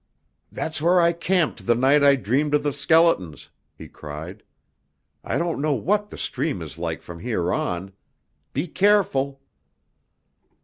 "That's where I camped the night I dreamed of the skeletons!" he cried. "I don't know what the stream is like from here on. Be careful!"